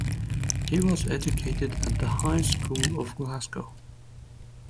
He was educated at the High School of Glasgow.